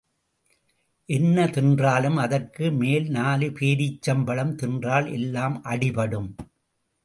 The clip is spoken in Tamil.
என்ன தின்றாலும் அதற்கு மேல் நாலு பேரீச்சம் பழம் தின்றால் எல்லாம் அடிபடும்.